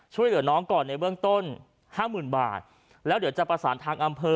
ช่วยเหลือน้องก่อนในเบื้องต้นห้าหมื่นบาทแล้วเดี๋ยวจะประสานทางอำเภอ